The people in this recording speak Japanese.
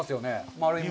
丸いもの。